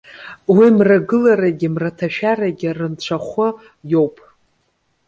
Уи, мрагыларагьы мраҭашәарагьы рынцәахәы иоуп.